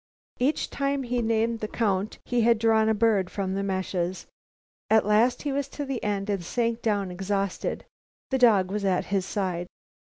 Each time he named the count he had drawn a bird from the meshes. At last he was to the end and sank down exhausted. The dog was at his side.